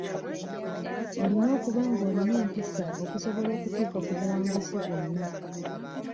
Olina okuba ng'olina empisa okusobola okutuuka ku buwanguzi bwonna